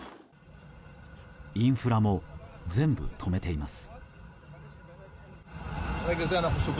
インフラも全部止めています。